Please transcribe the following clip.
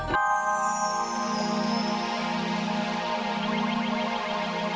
tuh tuh tuh